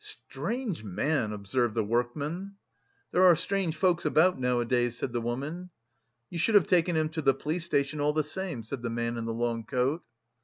"Strange man!" observed the workman. "There are strange folks about nowadays," said the woman. "You should have taken him to the police station all the same," said the man in the long coat.